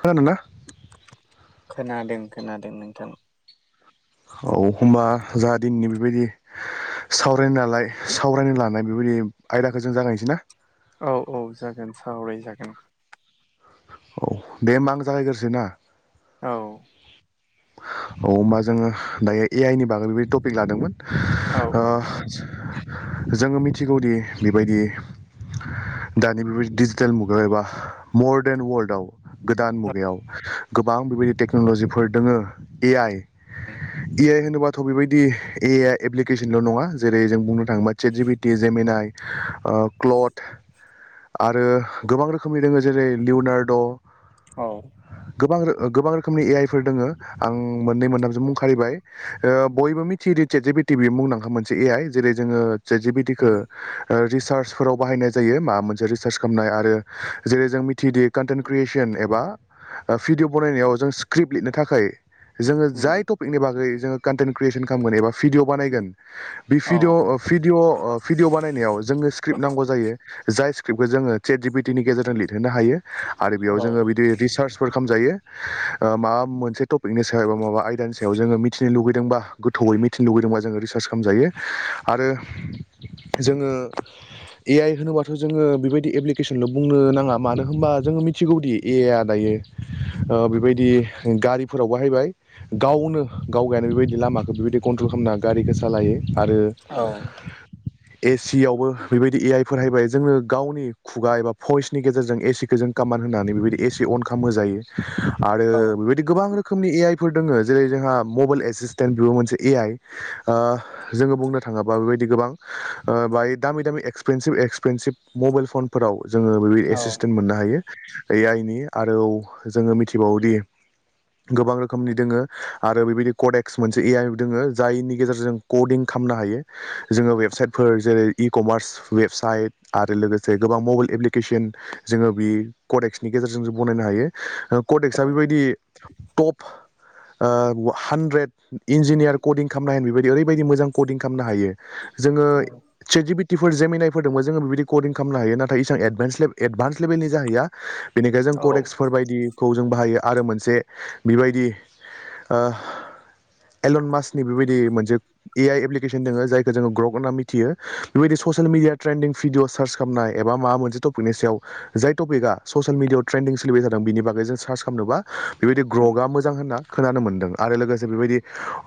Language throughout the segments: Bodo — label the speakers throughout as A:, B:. A: खोनादों ना?
B: खोनादों खोनादों नोंथां।
A: औ होमबा जाहा दिननि बेबायदि सावरायनो नालाय सावरायनो लानाय बेबायदि आयदाखो जों जागायनोसै ना!
B: औ औ जागोन सावराय जागोन।
A: औ दे होमबा आं जागायगोरसै ना!
B: औ
A: औ होमबा जोङो दायो ए आइ नि बागै बेबायदि टपिक लादोंमोन।
B: औ
A: ओ जोङो मिनथिगौदि बेबायदि दानि बेबायदि डिजिटेल मुगायाव एबा मदारन वर्ल्डआव गोदान मुगायाव गोबां बेबायदि टेक्न'ल'जिफोर दोङो ए आइ ए आइ होनोबाथ' बेबायदि ए आइआ एप्लिकेसनल' नङा जेरै जों बुंनो थाङोबा चेट जिपिटि जेमिना आइ ओ क्ल'ट आरो गोबां रोखोमनि दोङो जेरै लिउनार्द'
B: औ
A: गोबां रो ओ गोबां रोखोमनि ए आइ फोर दोङो आं मोननै मोनथामसो मुं खारिबाय ओ बयबो मिथियोदि चेट जिपिटि मुंदांखा मोन से ए आइ जेरै जोङो चेट जिपिटिखो ओ रिचार्सफोराव बाहायनाय जायो मा मोनसे रिचार्स खालामनाय आरो जेरै जों मिथियोदि कन्टेन्ट क्रियेसन एबा भिडिअ बानायनायाव जों स्क्रिप्ट लिरनो थाखाय जोङो जाय टपिकनि बागै जोङो कन्टन्ट क्रियेसन खालामगोन एबा भिडिअ' बानायगोन बे
B: औ
A: फिडिअ ओ-फिडिअ ओ-फिडिअ' बानायनायाव जोङो स्क्रिप नांगौ जायो जाय स्क्रिप्टखौ जोङो चेट जिपिटिनि गेजेरजों लिरहोनो हायो आरो बेयाव
B: औ
A: जोङो बिदि रिच चार्सफोर खालामजायो। ओ माबा मोनसे टपिकनि सायाव एबा माबा आयदानि सायाव जोङो मिथिनो लुगैदोंबा गोथौयै मिथिनो लुैबैदोंबा जोङो रिचा र्स खालामजायो आरो जोङो ए आइ होनोबाथ' जोङो बेबा यदि एप्लिकेसनल' बुंनो नाङा मानो होनबा जोङो मिथिगौदि ए आइ आ दायो ओ बेबाद दि गारिफोराव बाहायबाय गावनो गावगायानो बेबायदि लामाखो बेबायदि कन्ट्रल खालामना गारिखो सालायो आरो एसि आवबो बेबायदि ए आइ फोर हायबाय जोङो गावनि खुगा एबा भइसनि गेजेरजों एसिखो जों खामान होनानै बेबायदि ए सि अन खाम होजायो। आरो बेबायदि गोबां रोखोमनि ए आइफोर दोङो जेरै जोंहा मबाइल एसिसटेन्ट बेबो मोनसे ए आइ ओ जोङो बुंनो थाङोबा बेबायदि गोबां बाहाय दामि दामि एक्सपेनसिभ एक्सपेनसिभ मबाइल फनफोराव जोङो बेबायदि
B: औ
A: एसिसटेन्ट मोननो हायो ए आइ नि आरो औ जोङो मिथि बावयोदि गोबां रोखोमनि दोङो आरो बेबायदि कडेक्स मोनसे ए आइ बो दोङो जायनि गेजेरजों कडिं खामनो हायो जोङो वेबसाइटफोर जेरै इ कमार्स वेबसाइट आरो लोगोसे गोबां मबाइल एप्लिकेसन जोङो बे कडेक्सनि गेजेरजों जों बनायनो हायो ओ कटेक्सआ बेबायदि टप ओ वा हानद्रेद इन्जिनियार कदिं खालामनो होन बायदि ओरैबायदि मोजां कदिं खालामनो हायो। जोङो
B: औ
A: चेट जिपि टिफोर जेमनायफोर दोंबो जों बिबायदि कदिं खालामनो हायो नाथाय इसबां एडभाइस एडभान्स लेभेलनि जाहैया बेनिखाय जों
B: औ
A: कदेक्सफोर बायदि बाहायो आरो मोनसे बिबायदि एलन मासनि बेबायदि मोनसे ए आइ एप्लिकेसन दोङो जायखौ जोङो ग्रग होनना मिथियो बेबायदि social media trending video search खालामनाय एबा मा मोनसेटपिकनि सायाव जाय टपिकआ ससियेल मिडियायाव ट्रेन्ड सोलिबाय जादों बेनि बागै बागै जों सार्स खालामनोबा बेबादि
B: उम
A: ग्रगआ मोजां होनना खोनानो मोनदों आरो लोगोसे बेबादि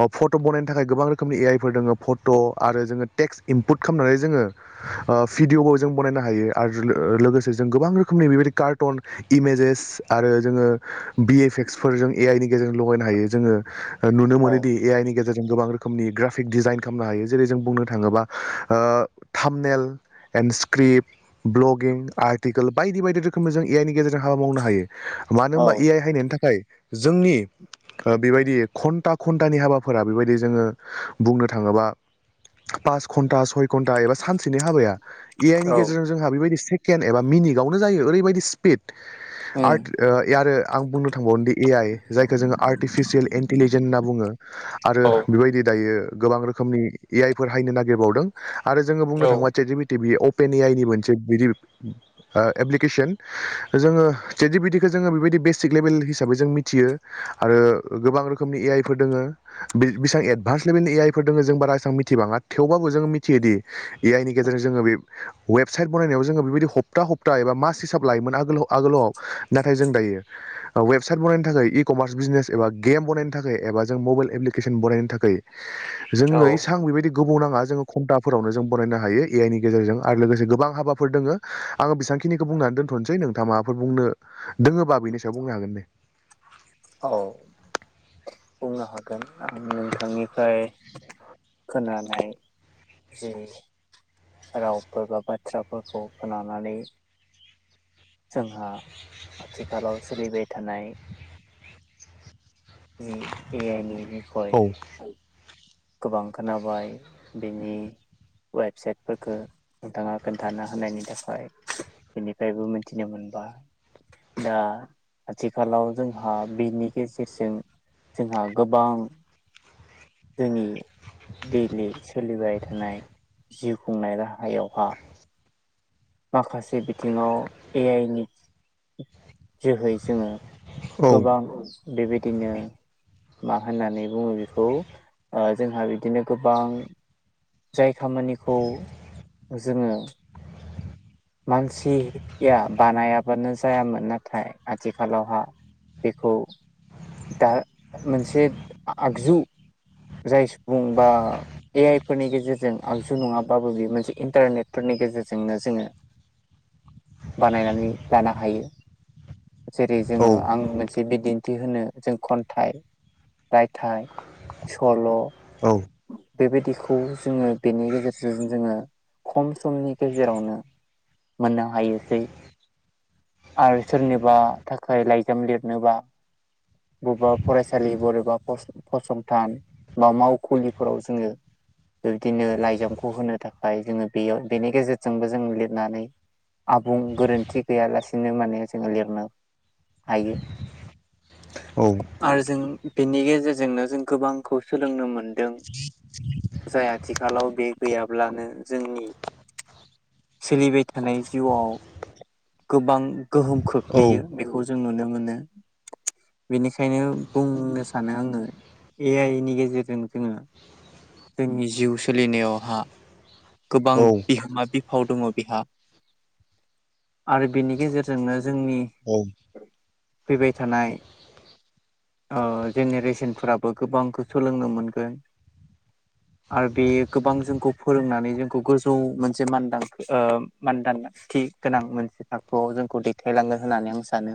A: अ पटग बानायनो थाखाय गोबां रोखोमनि ए आइ पट' आरो जोङो टेक्स इनपुट खालामनानै जोङो पिट भिदिअबो जों बनायनो हायो आरो लोगोसे जों गोबां रोखोमनि बेबायदि कारटन इमेजेस आरो जोङो बि एफ एक्सफोर जों ए आइ नि गेजेरजों लगायनो हायो जोङो नुनो
B: औ
A: मोनोदि ए आइ नि गेजेरजों गोबां रो नि ग्राफिक डिजाइन खालामनो हायो जेरै जों बुंनो थाङोबा थामनेल एण स्क भ्लगिं आर्टिकेल बायदि बायदि रोखोमनि जों ए आइनि गेजेरजों हाबा मावनो हायो मानो
B: औ
A: होनबा ए आइ हायनायनि थाखाय जोंनि बेबायदि घन्टा घन्टानि हाबाफोरा बेबायदि जोङो बुंनो थाङोबा पास घन्टा सय घन्टा एबा सानसेनि हाबाया ए आइ नि गेजेरजों जोंहा बेबायदि सेकेणड एबा मिनिकआवनो जायो ओरैबायदि स्पिड आर आरो आं बुंनो थांबावोन दि ए आइ जायखौ जोङो आर्टिफिसियेल इन्टिलिजेन्स होनना बुङो आरो बेबायदि दायो गोबां रोखोमनि ए आइफोर हायनो नागिरबावदों आरो जोङो बुंनो
B: औ
A: थाङोब्ला [unintelligible] पेनि आइ नि मोनसे बिदि एप्लिकेसन जोङो स्टेटिभिटिखौ जोङो बेबायदि बेसिक लेभेल हिसाबै जों मिथियो आरो गोबां रोखोमनि ए आइफोर दोङो बेसां एडभान्स लेभेलनि ए आइ फोर दङ जों बारा एसेबां मिथिबाङा थेवबाबो जों मिथियो दि ए आइ नि गेजेरजों जोङो बे वेबसाइट बनायनायाव जोङो बेबायदि हप्ता हप्ता एबा मास हिसाब लायोमोन आगोल आगोलाव नाथाय जों दायो वेबसाइट बानायनो थाखाय इ कमार्स बिजनेस एबा गेम बानायनो थाखाय एबा जों म मबाइल एप्केसन बनायनो थाखाय जोङो एसां बेबायदि गोबाव नाङा जोङो घप्ताफोरावनो जों बनायनो हायो ए आइ नि गेजेरजों लोगोसे गोबां हाबाफोर दङ आङो बेसेबखिनिखौ बुंना दोनथ'नोसै नोंथाङ माबाफोर बुंनो दोङोबा बेनि सायाव बुंनो हागोन दे
B: औ बुंनो हागोन आं नोंथांनिफ्राय खोनानाय जि रावफोर बा बाथ्राफोरखौ खोनानानै जोंहा आथिखालाव सोलिबाय थानाय ए आइनि बिखय
A: औ
B: गोबां खोनाबाय बेनि वेबसाइटफोरखौ नोंथाङा खोन्थाना होनायनि थाखाय बेनिफ्रायबो मिथिनो मोन बाय दा आथिखालाव जोंहा बिनि गेजेरजों जोंहा गोबां जोंनि दैलि सोलिबाय थानाय जिउ खुंनाय राहायावहा माखासे बिथिङाव ए आइ नि जोहै जोङो
A: औ
B: गोबां बेबायदिनो मा होननानै बुङो बेखौ ओ जोंहा बिदिनो गोबां जाय खामानिखौ जोङो मानसिया बानायाबानो जायामोन नाथाय आथिखालावहा बेखौ दा मोनसे आगजु जाय सुबुं बा ए आइ फोरनि गेजेरजों आगजु नङाबाबो बेयो मोनसे इन्टारनेटफोरनि गेजेरजोंनो जोङो बानायनानै लानो हायो जेरै जोङो
A: औ
B: आं मोनसे बिदिन थि होनो जों खन्थाइ रायथाइ सल'
A: औ
B: बेबायदिखौ जोङो बेनि गेजेरजों जोङो खम समनि गेजेरावनो मोननो हायोसै आरो सोरनिबा थाखाय लाइजाम लिरनोबा बबेबा फरायसालि बबेबा फसंथान बा मावखुलिफोराव जोङो बिबदिनो लाइजामखौ होनो थाखाय जोङो बेयाव बेनि गेजेरजोंबो जों लिर नानै आबुं गोरोन्थि गैयालासेनो माने जोङो लिरनो हायो
A: औ
B: आरो जों बिनि गेजेरजोंनो जों गोबांखौ सोलोंनो मोनदों जाय आथिखालाव बे गैयाब्लानो जोंनि सोलिबाय थानाय जिउआव गोबां गोहोम खोख्लैयो
A: औ
B: बेखौ जों नुनो मोनो। बेनिखायनो बुंनो सानो आङो ए आइ नि गेजेरजों जोङो जोंनि जिउ सोलिनायावहा गोबां बिहोमा बि फाव दङ बिहा आरो बेनि गेजेरजोंनो जोंनि
A: औ
B: फैबाय थानाय ओ जेनेरेसनफोराबो गोबांखौ सोलोंनो मोनगोन। आरो बे गोबां जोंखौ फोरोंनानै जोंखौ गोजौ मोनसे मान ओ मानदानथि गोनां मोनसे थाखोआव जोंखौ दैथायलाङो होननानै आं सानो।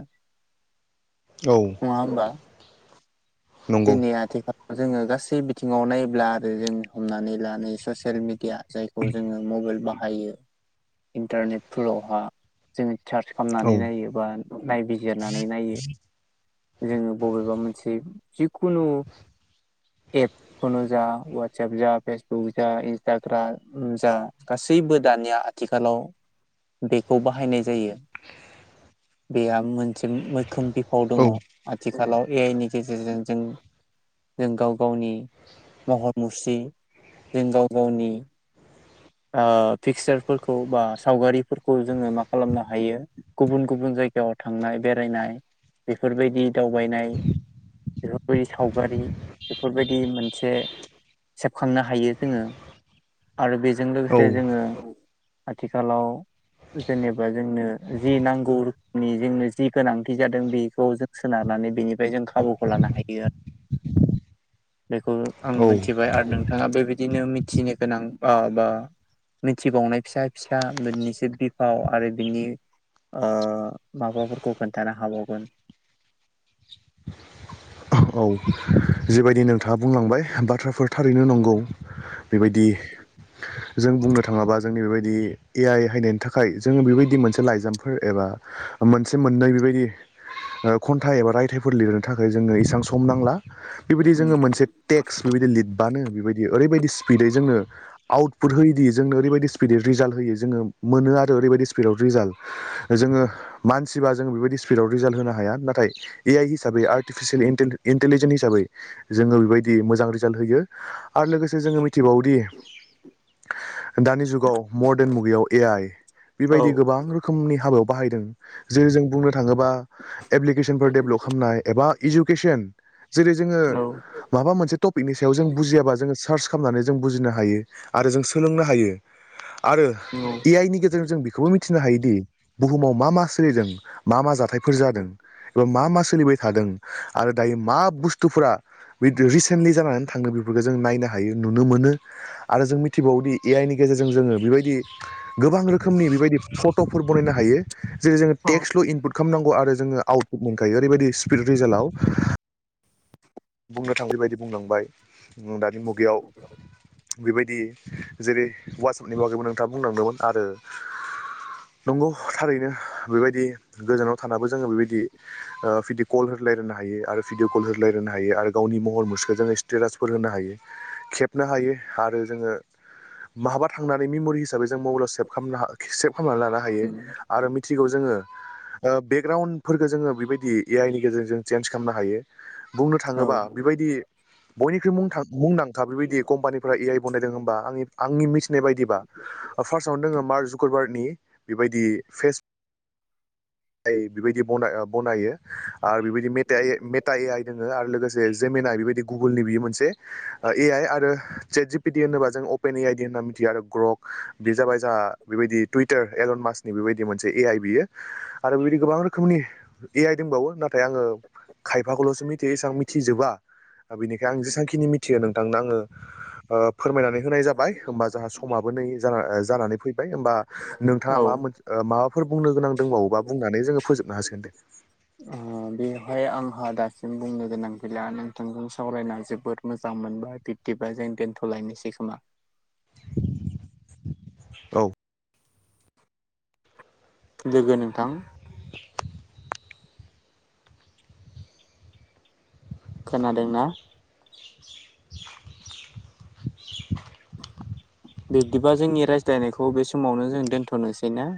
A: औ
B: नङा होनबा
A: नंगौ
B: दिनै आथिखालाव जोङो गासै बिथिङाव नायब्ला आरो जों हमनानै लानाय ससियेल मिडिया जायखौ जोङो मबाइल बाहायो इन्टारनेटफोरावहा जोङो चार्च
A: औ
B: खालामनानै नायो बा नायबिजिरनानै नायो। जोङो बबेबा मोनसे जिकुनु एपखौनो जा ववाट्साप जा फेसबुक जा इन्सटाग्राम जा गासैबो दानिया आथिखालाव बेखौ बाहायनाय जायो। बेहा मोनसे मैखोम बिफाव दङ। आथिखालाव ए आइ नि गेजेरजों जों जों गाव गावनि महर मुस्रि जों गाव गावनि ओ पिक्सारफोरखौ बा सावगारिफोरखौ जोङो मा खालामनो हायो गुबुन गुबुन जायगायाव थांनाय बेरायनाय बेफोरबायदि दावबायनाय बेफोरबायदि सावगारि सेबखांनो हायो जोङो आरो बेजों लोगोसे
A: औ
B: जोङो आथिखालाव जेनेब बेनिफ्राय जों खाबुखौ लानो हायो आरो बेखौ आं
A: औ
B: मोनथिबाय आरो नोंथाङा बेबायदिनो मिथिनो गोनां बा मिथिबावनाय फिसा फिसा मोननैसो बिफाव आरो बिनि ओ माबाफोरखौ खोन्थानो हाबावगोन।
A: औ जिबायदि नोंथाङा बुंलांबाय बाथ्राफोर थारैनो नंगौ बेबायदि जों बुंनो थाङाबा जोंनि बेबायदि ए आइ हायनायनि थाखाय जोङो बेबायदि मोनसे लाइजामफोर एबा मोनसे मोननै बेबायदि खन्थाइ एबा रायथाइफोर लिरनो थाखाय जोङो इसां सम नांला बेबायदि जोङो मोनसे टेक्स बेबायदि लिरबानो बेबायदि ओरैबायदि स्पिदै जोंनो आउटपुट होयोदि जोंनो ओरैबायदि स्पिदै रिजाल्ट होयै जोङो मोनो आरो ओरैबायदि स्पिडाव रिजाल्ट जोङो मानसिबा जों बेबायदि स्पिडआव रिजाल्ट होनो हाया नाथाय ए आइ हिसाबै आ र्टिफिसियेल इन्टेलिजेन्स हिसाबै जोङो बेबायदि मोजां रिजाल्ट होयो। आरो लोगोसे जोङो मिथिबावोदि दानि जुगाव मदन मुगायाव ए आइ
B: औ
A: बेबायदि गोबां रोखोमनि हाबा बाहायदों जेरै जों बुंनो थाङोबा एप्लिकेसनफोर डेभलप खालामनाय एबा इडुकेसन जेरै जोङो
B: औ
A: माबा मोनसे टपिकनि सायाव जों बुजियाबा जों चार्च खालामनानै जों बुजिनो हायो आरो जों सोलोंनो हायो। आरो
B: औ
A: ए आइ नि गेजेरजों जों बेखौबो मिथिनो हायोदि बुहुमाव मा मा सोलिदों। मा मा जाथायफोर जादों एबा मा मा सोलिबाय थादों आरो दायो मा बुस्थुफोरा बे रिसेन्टलि जानानै थाङो बेफोरखौ जों नायनो हायो नुनो मोनो। आरो जों मिथिबावोदि ए आइ नि गेजेरजों जोङो बेबायदि गोबां रोखोमनि बेबायदि फट'फोर बनायनो हायो। जेरै जोङो टेक्सल' इनपुट खालामनांगौ आरो जो आटुट मोनखायो रैबायदि स्पिड रिजाल्टाव बुंनो थां बेबायायदि बुंलांबाय दानि मुगायाव बेबायदि जेरै वाससाबनि बागैबो नोंथांङा बुंलांदोंमोन आरो नंगौ थारैनो बेबायदि गोजानाव थानाबो जोंङो बेबायदि फिदि कल होलायनो नांगौ आरो भिदिव कल होलायायनो हायो आरो गावनि महर मुसरिखौ स्टेटासफोर होनो हायो खेबनो हायो आरो जोंङो महाबा थांनानै मेमरि हिसाबै जों मबाइलाव सेभ खालामनो सेभ खालामामनानै लानो हायो आरो मिथिगौ जोंङो बेकग्राउणडफोरखौ जोंङो बेबायदि ए आइ नि गेजेरजों जों चेन्ज खालामनो हायो बुंनो
B: औ
A: थांङोबा बेबायदि बयनिख्रुइ मुं थांङो मुंदांखा बेबायदि कम्पानिफोरा ए आइ बनायदों होनबा आंनि आंनि मिथिनाय बायदिबा फार्स्टआवनो दंङो मार्शुक्रबारनि बेबायदि फेस बेबायदि बनायो आरो बेबायदि मे मेटा ए आइ दङो आरो लोगोसे जेमेेन आइ बेबायदि गुगोलनि बियो मोनसे ए आइ आरो सेट जिपिडि होनोबा जों अपेन ए आइ दि होनना मिथियो आरो ग्रक बेयो जाबाय जोंहा बेबायदि टुतार एलन मासनि बेबायदि मोनसे ए आइ बियो आरो बेबायदि गोबां रोखोमनि ए आइ दंबावो नाथाय आंङो खायफाखौल'सो मिथियो एसेबां मिथिजोबा बिनिखायनो आं जेसेांखिनि मिथियो नोंथांनो आंङो फोरमायनानै होनाय जाबाय होमबा जों समाबो जानानै फैबाय होमबा नोंथाङा
B: औ
A: माबा मोनसे माबाफोर बुंनो गोनां दंबावोबा बुंनानै जोंङो फोजोबनो हासिगोन दे
B: अ बेवहाय आंहा दासिम बुंनो गोनां गैला नोंथांजों सावरायना जोबोद मोजां मोनबाय बिदि जों दोनथ'लायनोसै खोमा
A: औ
B: लोगो नोंथां खोनादोंना
A: [inaudible]
B: बिदिबा जोंनि रायज्लायनायखौ बे समावनो जों दोनथ'नोसै ना